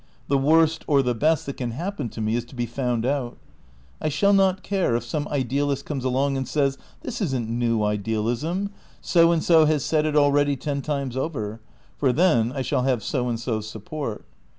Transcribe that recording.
The worst, or the best, that can happen to me is to be found out. I shall not care if some idealist comes along and says, "This isn't new idealism. So and So has said it already ten times over;" for then I shall have So and So's support.